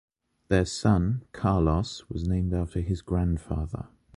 Their son, Carlos, was named after his grandfather.